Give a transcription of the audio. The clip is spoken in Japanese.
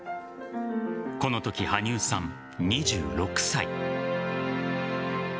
このとき羽生さん、２６歳。